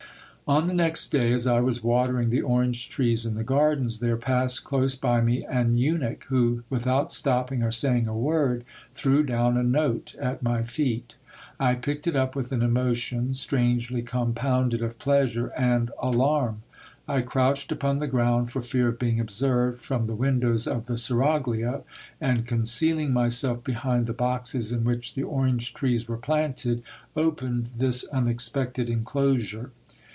On the next day, as I was watering the orange trees in the gardens, there passed close by me an eunuch, who, without stopping or saying a word, threw down a note at my feet. I picked it up with an emotion, strangely compounded of pleasure and alarm. I crouched upon the ground, for fear of being observed from the windows of the seraglio ; and, concealing myself behind the boxes in which the orange trees were planted, opened this unexpected enclosure.